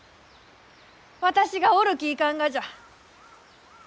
私がおるきいかんがじゃ！